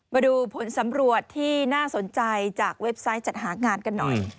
มาดูผลสำรวจที่น่าสนใจจากเว็บไซต์จัดหางานกันหน่อย